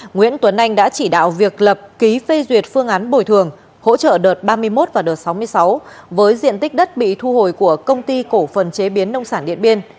nguyễn tuấn anh đã chỉ đạo việc lập ký phê duyệt phương án bồi thường hỗ trợ đợt ba mươi một và đợt sáu mươi sáu với diện tích đất bị thu hồi của công ty cổ phần chế biến nông sản điện biên